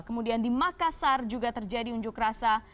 kemudian di makassar juga terjadi unjuk rasa